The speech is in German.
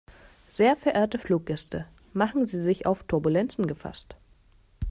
Sehr verehrte Fluggäste, machen Sie sich auf Turbulenzen gefasst.